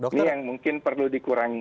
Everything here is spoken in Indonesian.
ini yang mungkin perlu dikurangi